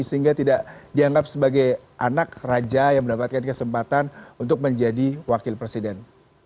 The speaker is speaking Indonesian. sehingga tidak dianggap sebagai anak raja yang mendapatkan kesempatan untuk menjadi wakil presiden